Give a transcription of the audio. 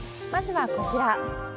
まずはこちら。